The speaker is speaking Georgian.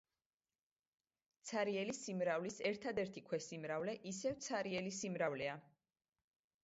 ცარიელი სიმრავლის ერთადერთი ქვესიმრავლე ისევ ცარიელი სიმრავლეა.